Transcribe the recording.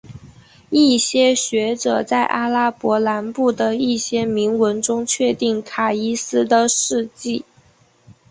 一些学者在阿拉伯南部的一些铭文中确定卡伊斯的事迹。